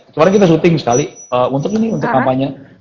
kemarin kita syuting sekali untuk ini untuk kampanye